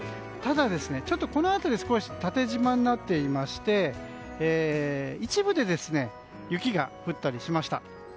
ただ、この辺り少し縦じまになっていまして一部で雪が降ったりしました。